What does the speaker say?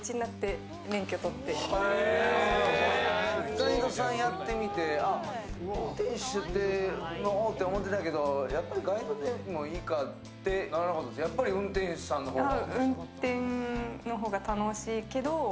ガイドさんやってみて運転手の方って思ってたけどやっぱりガイドでもいいかってならなかった、やっぱり運転手さんの方が？